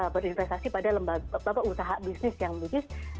berinvestasi pada usaha bisnis yang bisnis